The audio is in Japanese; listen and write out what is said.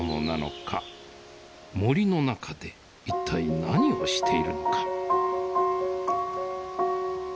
森の中でいったい何をしているのか。